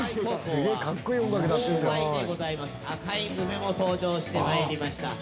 赤い梅も登場して参りました。